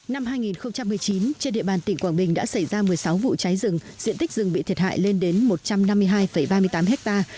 năm hai nghìn một mươi chín trên địa bàn tỉnh quảng bình đã xảy ra một mươi sáu vụ cháy rừng diện tích rừng bị thiệt hại lên đến một trăm năm mươi hai ba mươi tám ha